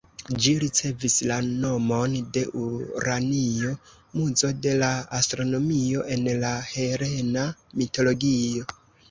Ĝi ricevis la nomon de Uranio, muzo de la astronomio en la helena mitologio.